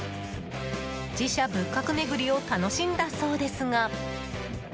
寺社・仏閣巡りを楽しんだそうですが。